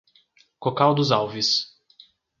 Cocal dos Alves